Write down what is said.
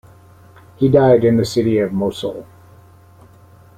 He died in the city of Mosul.